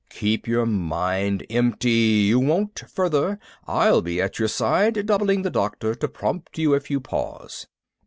"Keep your mind empty. You won't. Further, I'll be at your side, doubling the Doctor, to prompt you if you pause."